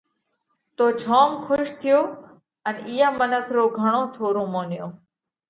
تو جوم کُش ٿيو ان اِيئا منک رو گھڻو ٿورو مونيو۔